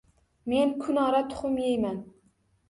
Men kunora tuxum yeyman.